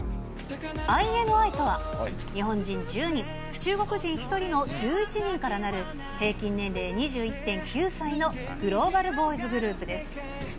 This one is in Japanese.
ＩＮＩとは、日本人１０人、中国人１人の１１人からなる、平均年齢２１．９歳のグローバルボーイズグループです。